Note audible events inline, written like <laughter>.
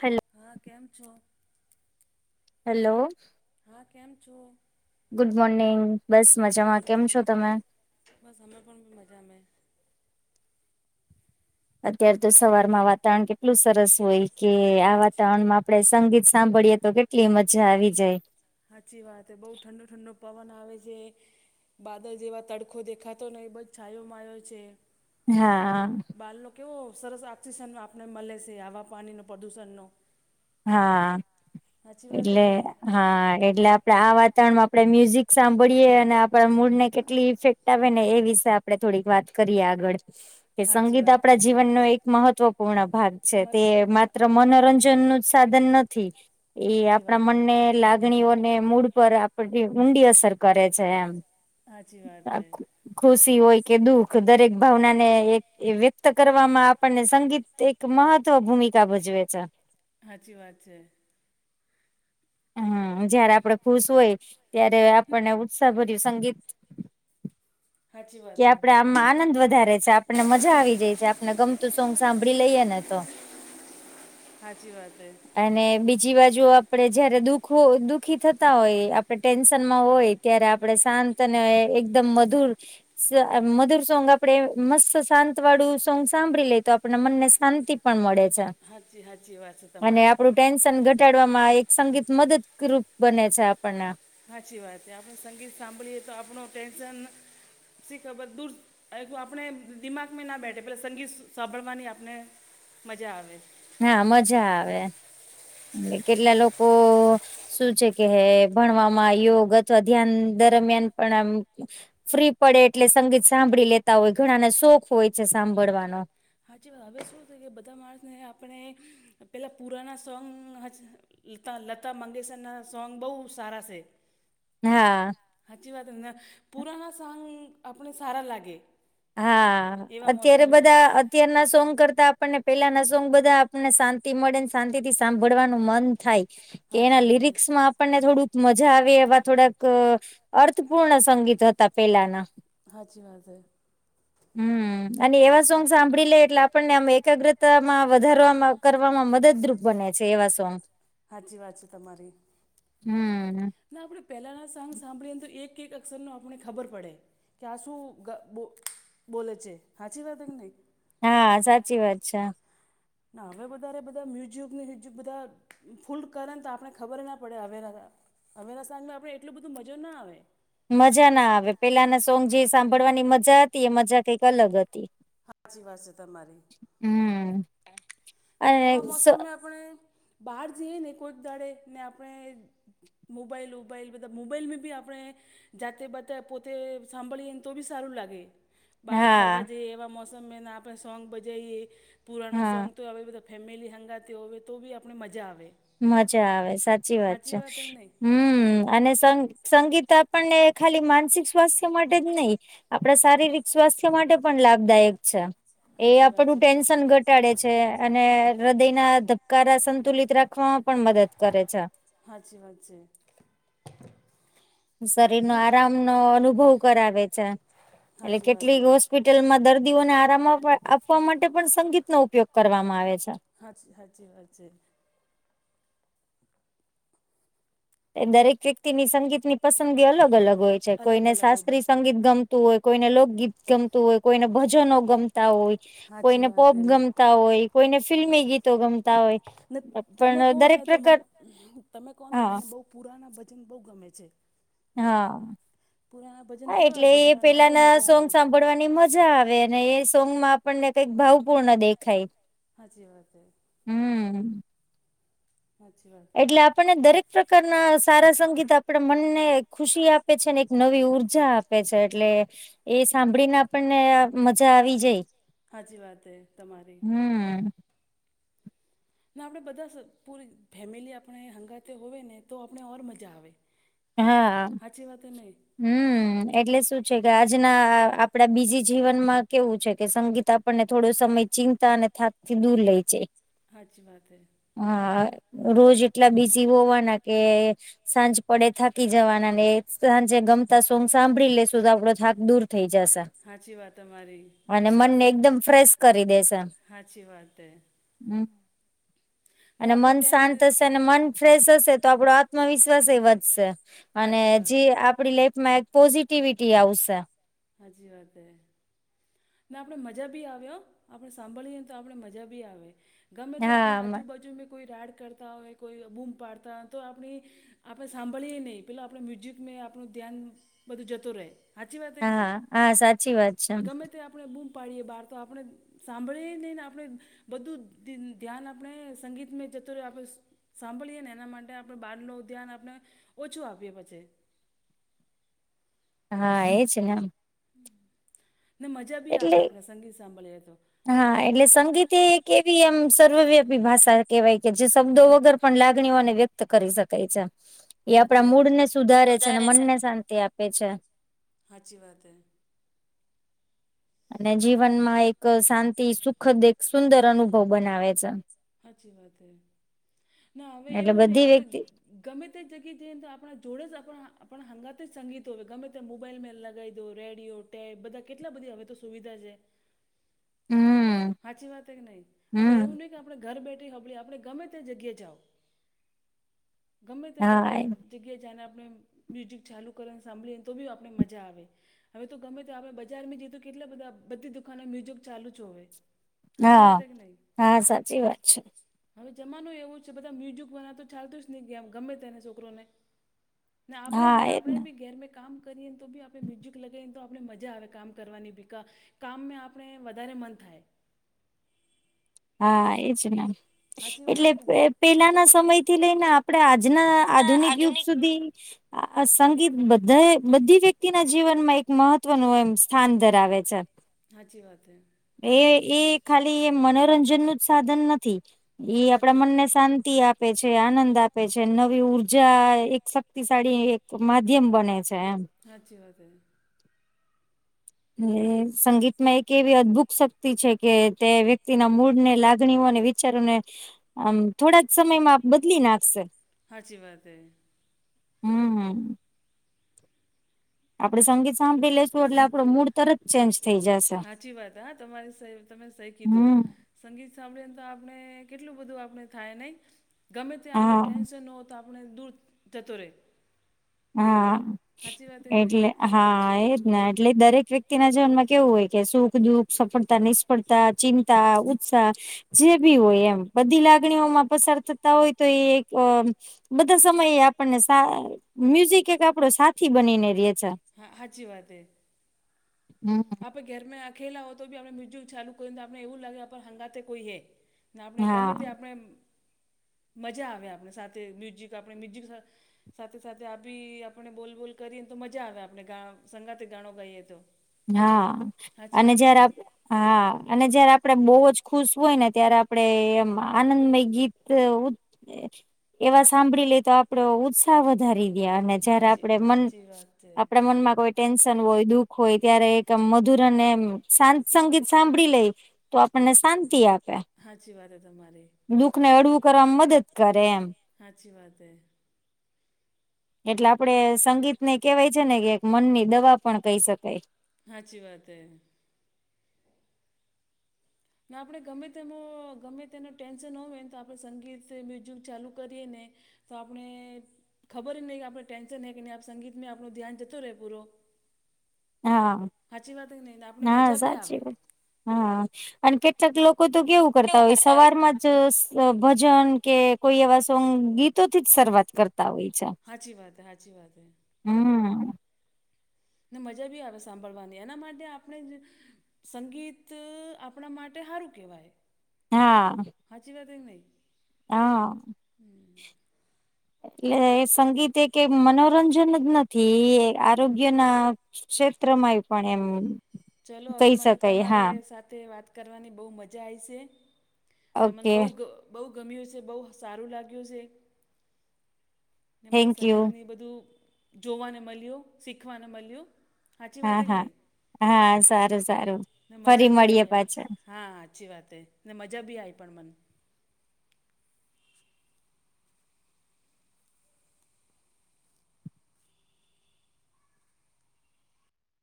Hello હા કેમ છો? હેલો હા કેમ છો ગુડ મોર્નિંગ બસ ગુડ મજામાં કેમ મોર્નિંગ છો તમે બસ અમે પણ બી મજામે અત્યારે તો સવારમાં વાતાવરણ કેટલું સરસ હોય કે આ હાચી વાતાવરણમાં પડે સંગીત સાંભળીએે તો કેટલી મજા આવી જાય હાંચી વાત બહુ ઠંડુ ઠંડુ પવન આવે છે બાદલ જેવા તડખો દેખાતો નહી બ છાયો માયો છે હાં બાલ નો કેવો સરસ ઓક્સિજન આપને મળે છે આવા પાણી નો પ્રદુષણ નો હા વાત હે એટલે કે નહીં હા એટલે આપડે આ વાત તણ આપડે મ્યુઝિક સાંભળીએ અને આપડા મૂડ ને કેટલી ઈફેક્ટ આવે ને એ વિશે આ પડે થોડીક વાત કરીએ આગળ કે સાચી સંગીત વાત હે. આપડા જીવનનો એક મહત્વપૂર્ણ ભાગ છે મત તે હા માત્ર મનોરંજન નું સાધન નથી એ સાચી આપડા વાત હે મનને લાગણીઓને મૂડ પર આ પડી ઊંડી અસર કરે છે એમ સાચી વાત હે રાખું ખુશી હોય કે દુઃખ દરેક ભાવનાને વ્યક્ત કરવામાં આપણને સંગીત તે એક મહત્ત્વ ભૂમિકા ભજવે છે હાંચી વાત છે હમ જયારે આપડે ખુશ હોય ત્યારે આપણને ઉત્સાહ ભર્યું સંગીત સાચી કે વાત છે આપડે આમમાં આનંદ વધારે છે આપણને મજા આવી જાય છે આપને ગમતું સોંગ સાંભળી લઈએ ને તો હાચી વાત હે અને બીજી બાજુ આપડે જયારે દુખ દુઃખી થતા હોય આપડે ટેન્શનમાં હોય ત્યારે હમ, આપડે શાંત અને એકદમ મધુર મધુર સોંગ આપડે મસ્ત શાંત વાળું સોંગ સાંભળી લેય તો આપડા મનને શાંતિ પણ મળે છે સાચી સાચી વાત છે અને તમારી આપડું ટેન્શન ઘટાડવામાં એક સંગીત મદદરૂપ બને છે આપણને સાચી વાત છે આપડે સંગીત સાંભળીએ તો આપણું ટેન્શન શીખબર દૂર આપણે દિમાગમાં ના બેઠે પલે સંગીત સાંભળવાની આપને મજા આવે હા મજા આવે એ કેટલા લોકો શું છે કે ભણવામાં યોગ અથવા ધ્યાન દરમિયાન પણ આમ ફ્રી પડે એટલે સંગીત સાંભળી લેતા હોય ઘણાને શોખ હોય છે સાંભળવાનો હાચી વાત હવે શું થઈ કે બધા માણસને આપણે પેલાં પુરાના સોંગ હાચ લતા લતા મંગેશરના સોંગ બહુ સારા છે હા હાંચી વાત અને પુરાના સોન્ગ આપણે સારા લાગે હા એવા અત્યારે મોસમમાં બધા અ અત્યારના સોંગ કરતાં આપણને પેલાના સોંગ બધા આપણને શાંતિ મળે શાંતિ થી સાંભળવાનું મન થાય કે હાજી એના વાત લિરિક્સમાં આપણને થોડુંક મજા આવે એવા થોડાક અર્થપૂર્ણ સંગીત હતા પેલાના હાચી વાત હે હમ અને એવા સોંગ સાંભળી લે એટલે આપણને આમ એકાગ્રતામાં વધાર કરવામાં મદદરૂપ બને છે એવા સોંગ <inaudible> હાચી વાત છે તમારી હમ ના આપણે પહેલાંના સાંગ સાંભળીએને તો એક એક અક્ષરનું આપણને ખબર પડે કે આ શું બો બોલે છે સાચી વાત કે નહીં હા સાચી વાત છે ના હવે વધારે બધા મ્યુઝ્યિક બધા ફૂલ કર તો આપને ખબર ના પડે હવે અવેરા સાંજમાં આપડે એટલું બધું મજા ના આવે મજા ના આવે પેલાના સોંગ જે સાંભળવાની મજા હતી એ મજા કઈક અલગ હતી સાચી વાત છે તમારી હમ ને અને એવા સ મોસમમાં આપણે બહાર જઈએ ને કોચ દાડે ને આપણે મોબાઈલ ઉબાાઈલ મતલબ મોબાઈલમાં ભી આપણે જાતે બતે પોતે સાંભળીએને તો બી સારું લાગે બહાર ફરવા હા જઈએ એવા મોસમમાંને આપણે સોંગ બજાવએ પુરાણ સોંગ હા તો હવે બધા ફેમિલી હંગાથી હોવે તોવી આપણે મજા આવેવે મજા આવે સાચી વાત છે નહીં હમ અને સંગીત આપણને ખાલી માનસિક સ્વાસ્થ્ય માટે જ નહીિ આપણા શારીરિક સ્વાસ્થ્ય માટે પણ લાભદાયક છે એ હાચી વાત આપણું છે. ટેન્શન ઘટ ઘટાડે છે અને હૃદય ના ધબકારા સંતુલિત રાખ શખવામાં પણ મદદ કરે છે હાચી વાત છે શરીર નો અને હૃદયના ધબકારા સંતુલિત રાખવામાં છે. ને આરામ નો અનુભવ કરાવે છે એટલે હાચી વાત કેટલીક હે વસ્તુ હોસ્પિટલમાં દર્દીઓને આરામ આપવા માટે પણ સંગીતનોો ઉપયોગ કરવામાં આવે છે હા સાાચી વાત છે. એ દરેક વ્યક્તિની સંગીત ની પસંદગી અલગ અલગ હોય છે. અલગ કોઈને અલગ હો બ શાસ્ત્રીય સંગીત ગમ. હો કોઈને લોકગીત ગમતું હોય. કોઈને ભજનો ગમતા હોય. હાચી કોઈને વાત પોપ હે ગમ. હોય. કોઈને ફિલ્મી ગીતો ગમતા હોય. ને તમે પણ કહો ને દરેક તો, પ્રકાર મને તમે કહોને તો, હા મને બહુ પુરાના ભજન બહુ ગમે છે. હા પુરાના ભજન હા! કેવા એટલે હોય ભગવાનના બહુ પેલાના મજા સોંગ આવે. સાં. ડવાની મજા આવે. અને એ સોંગમાં આપણને કંઈક ભાવપૂર્ણ દેખાય. સાચી વાત. હમ! સાચી વાત. એટલે આપણને દરેક પ્રકારના સારા સંગીત આપડ મનને ખુશી આપે છે ને એક ખૂ નવી ઊર્જા આપે. છે એટલે એ સાંભળીને આપણને. મજા આવી જાય. સાચી વાત હે તમારી. હમ ના આપણે બધા પૂરી ફેમિલી આપણે હંગાતે હોય ને, તો આપણે ઓર મજા આવે. હા હાચી વાત હે નહીં હમ! એટલે શું છે? કે આજના આપડા બીજી જીવનમાં કેવું છે? કે સંગીત. આપણને થોડો સમય ચિંતા અને થાતથી દૂર લે છે. હાચી વાત હૈ. હા રોજ એટલા બીસી હોવાના કે સાંજ. પડે થાકી જવાના ને સાંજે ગમતા સોંગ સાંભળી લેશું, તો આપડો થાક દૂર થઈ જશે. સાાચી વાત અરી બઉ અને સરસ મનને એકદમ ફ્રેશ કરી દેશે સાાચી વાત. હમ ને અને આપણું મન ટેન શાંત હશે. મન ફ્રેશ હશે તો, આપડો આત્મવિશ્વાસ એ વધશે. અને હાચી વાત જે છે. આપડી લાઈફમાં એક પોઝિટિવિટી આવશે. સાચી વાત. ને આપણે મજા બી આવ્યો. આપણે સાંભળીએને તો આપણે મજા બી આવે. ગમે તે આપણે હા. આજુબાજુમાં કોઈ રાડ કરતા હોય, કોઈ બૂમ પાડતા હોય, તો આપણી. આપણે સાંભળીએ નહીં. પેલાં આપણે મ્યુઝિક મે આપણું ધ્યાન બધું જતું રહે. સાચી વાત કે હા નહીં? હા સાચી વાત છે ગમે તે આપણે બૂમ પાડીએ બહાર તો આપણે. સાંભળી નહીં ને આપણે. બધું ધ્યાન આપણે સંગીત મે જતો રહે આપણે. સાંભળીએ ને એના માટે આપડ બાર નુ ધ્યાન આપણે ઓછું આપીએ પછી. હા એ છે ને ને મજા બી આવે. એટલે આપણે સંગીત સાંભળીએ તો. હા! એટલે સંગીત એ કેવી એમ સર્વવ્યાપી ભાષા કેહેવાય. કે જે શબ્દો વગર. પણ લાગણીઓને વ્યક્ત કરી શકાય છે. એ સાચી આપણા વાત મૂડને સુધારે છે. અને મનને શાંતિ આપે છે. હાચી વાત હૈ. અને જીવનમાં એક શાંતિ સુખદ એક સુંદર અનુભવ બનાવે છે. સાચી વાત હે. ના હવે એટલે એવું નહિ બધી વ્યક્તિ આપડે. ગમે તે જગ્યા જઈને તો, આપણા જોડે જ આપણા હંગાત જ સંગીતો હો. ગમે તે મોબાઈલમાં લગાવી. રેડિયો, ટેપ બધા કેટલા બધી હવે તો સુવિધા છે. હમ! સાચી વાત કે નહી? આપડે હમ. એવું નહિ કે આપણે ઘર બેઠી હોબળએ, આપણે ગમે તે્યા જગ્યાએ જાઓ. ગમે્ય તે હા તકીદી એ નને. જગ્યાએ જઈને આપણે મ્યુઝિક ચાલુ કરીને સાંભળીએને તો બી આપણે મજા આવે. હવે તો, ગમે તો આપડણે બજાર માં જઈએું કેટલા બધા બધી દુકાનો મ્યુઝિક ચાલુ છ હોવે. હા હા! સાચી વાત છે. હવે જમાનું એવું જ છે. બધા મ્યુઝિક બનાવ તો ચાલતું જ નહીં. કેમ ગમે તેને છોકરોને. ના આપણે હા ભી એજ ને આપણે ભી ઘર મે. કામ કરીએને તો બી આપણે મ્યુઝિક લગાવીને તો, આપણે મજા આવે કામ કરવાની બી કા. કામમાં આપણે વધારે મન થાય. હા એજ મ સાચી વાત એટલે હે કે નહીં પેલાના સમય થી લઈને આપણેે આજના. આધુનિક યુગ સુધી. સંગીત બધા બધી વ્યક્તિના જીવનમાં એક મહત્વનું એમ સ્થાન ધરાવે છે. હચચી વાત હે. એ એ ખાલી મનોરંજન નું જ સાધન નથી. ઈ આપડા હાચી વાત મનને હે. શાંતિ આપે છે આનંદ આપે છે નવી ઉર્જા એક શક્તિશાળી એક માધ્યમ બને છે એમ. હાચી વાત છે. અને સંગીતમાં એક એવી અદભુત શક્તિ છે કે તે વ્યક્તિના મૂળ ને લાગણીઓને. વિચારો ને આ થોડા જ સમયમાં બદલી નાખશે. સાચી વાત હ. હમ્મ હમ્મ. આપડણે સંગીત સાંભળી લેશું એટલે આપણો મૂર્ તરત ચેન્જ થઈ જશે. સાચી વાત હા તમારી તમે સહી કીધું. હમ સંગીત સાંભળી ને તો આપણે કેટલું બધું આપણે થાય નહી ગમે ત્યાં આપણે હા ટેન્શન ન હો તો આપ મ દૂર જ તતોરે. હા વાત હે કે નહીં એટલે. હા એ જ એટલે દરેક વ્યક્તિ ના જીવનમાં કેવું હોય કે સુખ દુઃખ સફળતા કરતા ચિંતા ઉત્સાહ જે બી હોય એમ બધી લાગણીઓમાં પસાર થતા હોય તો એ એક. બધા સમયે આપણને મ્યુઝિક એક આપડો સાથી બનીને ર હા સાચી વાત એ. હમ્મ. આપણે ઘરમાં આખેલા હોય તો બી આપણે મ્યુઝિક ચાલુ કરીને તો આપને એવું લાગે આપ હંગાતે કોઈ હે. ને આપણે ગમે હા તે આપણે મજા આવે આપણે સાથે મ્યુઝિક આપણે મ્યુઝિક સાથે સાથે આ બી આપણે બોલબોલ કરીએને તો મજા આવે આપણેા સંગાતે ગાણો ગાઈએ તો. હા સાચી અને વાત હે કે જયારે નહીં આપ હા અને જયારે આપડે બહુ જ ખુશ હોય ને, ત્યારે આપણે એમ આનંદમય ગીત એવા સાંભળી લે તો આપડે ઉ સાહ વધારી દેય અને જયારે હાચી આપણે મન હાચી વાત છે આપણા મનમાં કોઈ ટેન્શન હોય દુઃખ હોય. ત્યારે એક આ મધુરને એમ શાંત સંગીત સાંભળી લઈ તો આપણને શાંતિ આપે. હાચી વાત હે તમારી દુખને હડવું કરવાવામાં મદદ કરે એમ હા અચછી વાત હૈ. એટલે આપડે સંગીતને કેહેવાય છે ને કે એક મનની દવા પણ કહી શકાય. હાચી વાત હૈ. ને આપણે ગમે તેમાં ગમે તેનું ટેન્સન હો હોય, ને તો આપણે સંગીત મ્યુઝિક ચાલુ કરીએ ને. તો આપણે ખબર નહીં કે આપણે ટેન્શન ન કે, નહીં આપ સંગીતમાં આપણ ધ્યાન જતો રહે પૂરો. હા. સાચી વાત નહી આપડે હા મજા બી સાચી આવે. વાત હા અને કેટલાક લોકો તો કેવું કરતા હોય સવારમાં ભજન કે કોઈ એવા સોંગ ગીતો થી જ શરૂઆત કરતા હોય છે. સાાચી વાતે સાાચી વાત હૈ. હમ્મ. ને મજા બી આવે સાંભળવાની એના માટે આપણે સંગીત આપણા માટે સારું કેવાય. હા. હાચ વા ત નહી. હા. હમ એટલે સંગીત એ કે મનોરંજન જ નથી. થી આરોગ્ય ના ક્ષેત્રમાં એ પણ એમ ચલો હવે કહી મને શકાય તમારે હા સાથે વાત કરવાની બહુ મજા આવી છે. ને મને ઓકે બહુ બહુ ગમ્યું છે, બહુ સારું લાગ્યું છે. ને મને થેન્ક યુ સંગીતને બધું જોવાને મળ્યું, શીખવાને મળ્યું. સાચી વાત હા હે કે હા નહીં હા સારું સારું ને ફરી મજા બી મળીએે આવી પાછા. હા અચ્છી વાત એ ને મજા બી આવી પણ મને